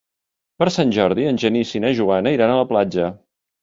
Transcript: Per Sant Jordi en Genís i na Joana iran a la platja.